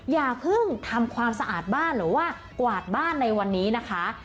อย่าเพิ่งทำความสะอาดบ้านหรือว่ากวาดบ้านในวันนี้นะคะ